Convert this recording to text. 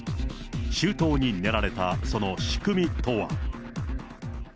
周到に練られたその仕組みとは。